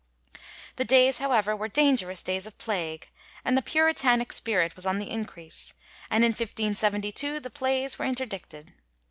The days, however, were dangerous days of plague, and the Puritanic spirit was on the increase, and in 1572 the plays were interdicted.